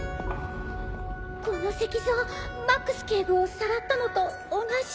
この石像マックス警部をさらったのと同じ。